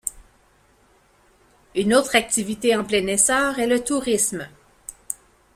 Une autre activité en plein essor est le tourisme.